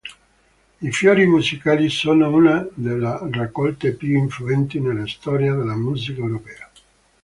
I "Fiori musicali" sono una delle raccolte più influenti nella storia della musica europea.